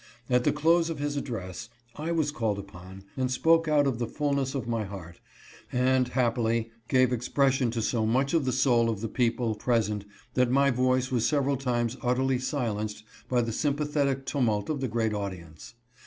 • At the close of his address, I was called upon, and spoke out of the fullness of my heart, and, happily, gave expression to so much of the soul of the people present that my voice was several times utterly silenced by the sympathetic tumult of the great audience.